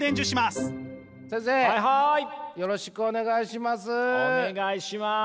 よろしくお願いします。